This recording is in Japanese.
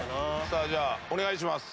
さあじゃあお願いします。